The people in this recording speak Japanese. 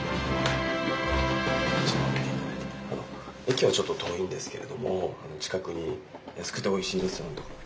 駅はちょっと遠いんですけれども近くに安くておいしいレストランとかも。